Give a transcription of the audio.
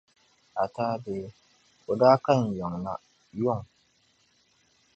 Ataa dee, o daa ka n yiŋa na, yuŋ.